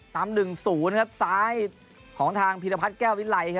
ตามหนึ่งสูงนะครับซ้ายของทางพิรพัฒน์แก้ววิลัยครับ